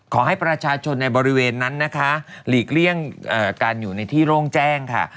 ขอให้ประชาชนในบริเวณนั้นนะคะหลีกเลี่ยงการอยู่ในที่โล่งแจ้งค่ะ